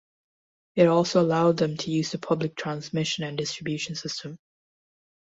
It also allowed them to use the public transmission and distribution system.